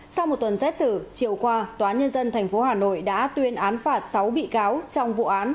sau một tuần xét xử chiều qua tòa nhân dân tp hà nội đã tuyên án phạt sáu bị cáo trong vụ án